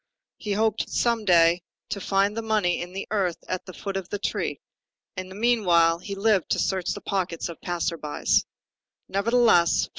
He hoped some day to find the money in the earth at the foot of a tree; in the meanwhile, he lived to search the pockets of passers by.